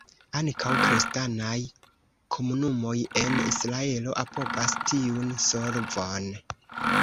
Ankaŭ kristanaj komunumoj en Israelo apogas tiun solvon.